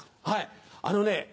はいあのね